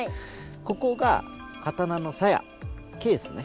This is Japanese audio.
ここが刀のさやケースね。